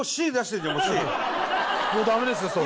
もうダメですよそれ。